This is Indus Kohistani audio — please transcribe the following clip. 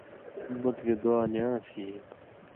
مُت گی دعا نی آن٘س یی؟